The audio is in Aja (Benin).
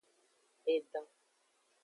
Edan.